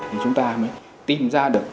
thì chúng ta mới tìm ra được